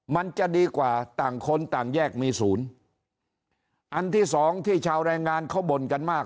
มันจะดีกว่าต่างคนต่างแยกมีศูนย์อันที่สองที่ชาวแรงงานเขาบ่นกันมาก